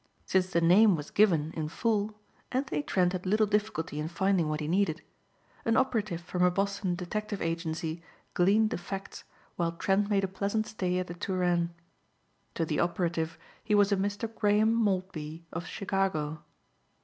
Since the name was given in full Anthony Trent had little difficulty in finding what he needed. An operative from a Boston detective agency gleaned the facts while Trent made a pleasant stay at the Touraine. To the operative he was a Mr. Graham Maltby of Chicago.